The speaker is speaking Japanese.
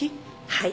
はい。